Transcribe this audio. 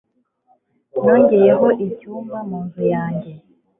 nongeyeho icyumba mu nzu yanjye